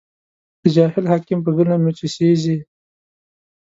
د جاهل حاکم په ظلم مې چې سېزې